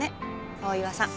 大岩さん。